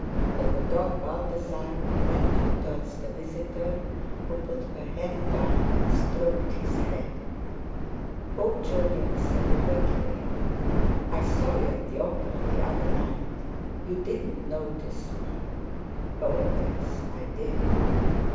But the dog Balthasar went on towards the visitor, who put her hand down and stroked his head. Old Jolyon said quickly: "I saw you at the opera the other night; you didn't notice me." "Oh, yes! I did."